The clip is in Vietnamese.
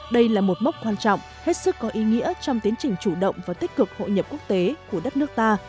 đây là một mốc quan trọng hết sức có ý nghĩa trong tiến trình chủ động và tích cực hội nhập quốc tế của đất nước ta